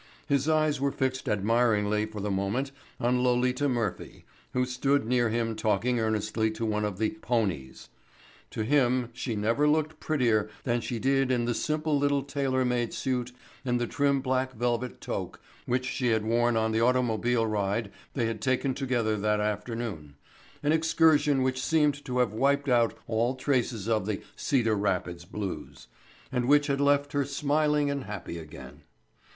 His eyes were fixed admiringly for the moment on Lolita Murphy who stood near him talking earnestly to one of the "ponies." To him she never looked prettier than she did in the simple little tailor made suit and the trim black velvet toque which she had worn on the automobile ride they had taken together that afternoon, an excursion which seemed to have wiped out all traces of the "Cedar Rapids blues," and which had left her smiling and happy again.